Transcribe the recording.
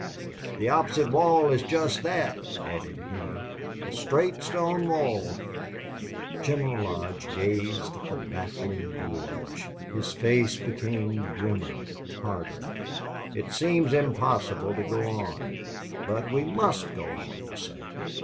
"The opposite wall is just that," added Henney. "A straight stone wall." General Lodge gazed at the baffling gorge. His face became grimmer, harder. "It seems impossible to go on, but we must go on!" he said.